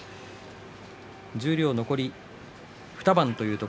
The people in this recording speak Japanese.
十両残り２番です。